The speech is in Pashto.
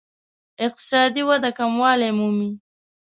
اقتصادي وده کموالی مومي.